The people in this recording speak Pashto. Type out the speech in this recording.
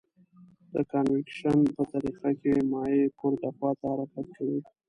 د کانویکشن په طریقه کې مایع پورته خواته حرکت کوي.